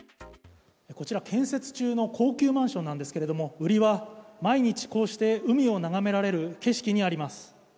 こちら、建設中の高級マンションなんですけど売りは、毎日こうして海を眺められる景色にあります。